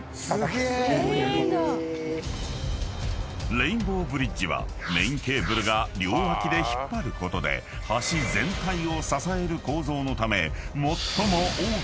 ［レインボーブリッジはメインケーブルが両脇で引っ張ることで橋全体を支える構造のため］